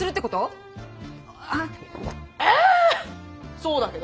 そうだけど。